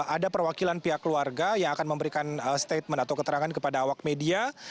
ada perwakilan pihak keluarga yang akan memberikan statement atau keterangan kepada awak media